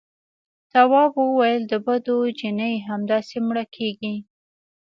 تواب وويل: د بدو نجلۍ همداسې مړه کېږي.